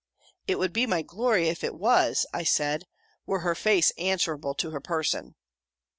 'It would be my glory if it was,' said I, 'were her face answerable to her person.'